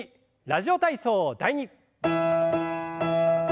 「ラジオ体操第２」。